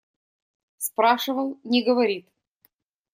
Спрашивал – не говорит.